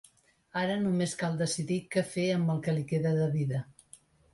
Ara només cal decidir què fer amb el que li queda de vida.